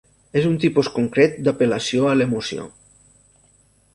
És un tipus concret d'Apel·lació a l'emoció.